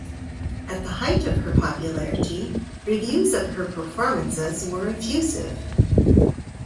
At the height of her popularity reviews of her performances were effusive.